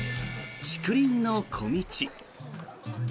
竹林の小径。